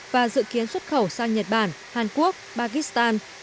và dự kiến xuất khẩu sang nhật bản hàn quốc pakistan